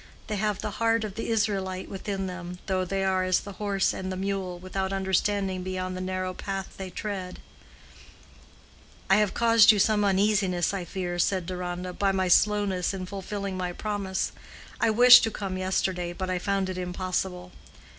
"They have the heart of the Israelite within them, though they are as the horse and the mule, without understanding beyond the narrow path they tread." "I have caused you some uneasiness, I fear," said Deronda, "by my slowness in fulfilling my promise. I wished to come yesterday, but I found it impossible."